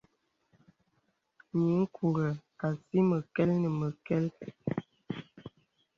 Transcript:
Nyiŋkùrə asì məkɛl nə məkɛl.